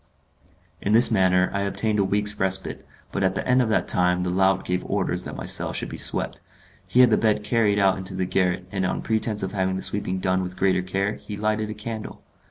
In this manner I obtained a week's respite, but at the end of that time the lout gave orders that my cell should be swept. He had the bed carried out into the garret, and on pretence of having the sweeping done with greater care, he lighted a candle.